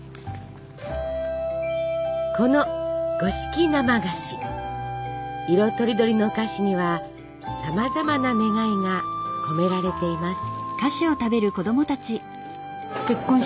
この色とりどりの菓子にはさまざまな願いが込められています。